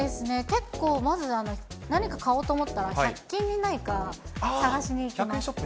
結構、まず何か買おうと思ったら、１００均にないか、探しに行きます。